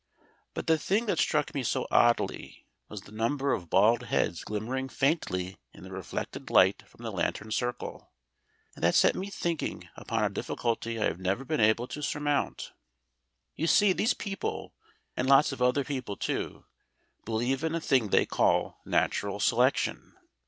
But the thing that struck me so oddly was the number of bald heads glimmering faintly in the reflected light from the lantern circle. And that set me thinking upon a difficulty I have never been able to surmount. You see these people, and lots of other people, too, believe in a thing they call Natural Selection.